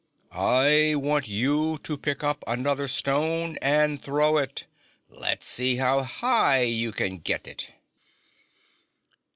"I want you to pick up another stone and throw it. Let's see how high you can get it."